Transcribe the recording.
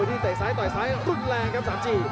ที่เตะซ้ายต่อยซ้ายรุนแรงครับสามจี